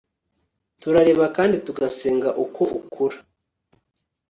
turareba kandi tugasenga uko ukura